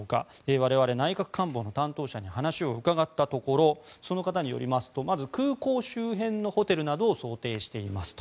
我々、内閣官房の担当者に話を伺ったところその方によりますとまず、空港周辺のホテルなどを想定していますと。